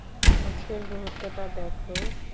আজকের মুহূর্তটা দেখো!